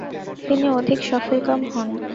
তিনি অধিক সফলকাম হন।